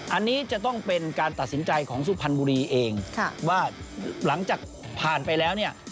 อันนี้จะต้องเป็นการตัดสินใจของสุพรรณบุรีเองว่าหลังจากผ่านไปแล้วเนี่ย